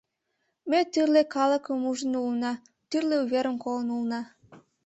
Ме тӱрлӧ калыкым ужын улына, тӱрлӧ уверым колын улына.